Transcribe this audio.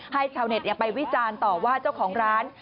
ชาวเน็ตไปวิจารณ์ต่อว่าเจ้าของร้าน